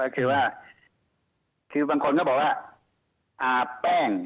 ก็คือว่าคือบางคนก็บอกว่าอาบแป้ง